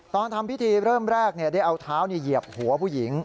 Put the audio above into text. ตอนทำพิธีเริ่มแรกได้เอาเท้าเหยียบหัวผู้หญิง